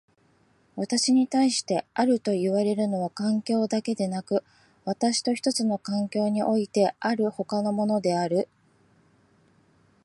私に対してあるといわれるのは環境でなく、私と一つの環境においてある他のものである。